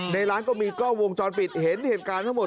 ในร้านก็มีกล้องวงจรปิดเห็นเหตุการณ์ทั้งหมด